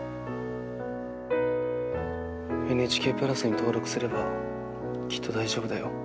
ＮＨＫプラスに登録すればきっと大丈夫だよ。